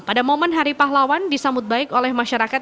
pada momen hari pahlawan disambut baik oleh masyarakat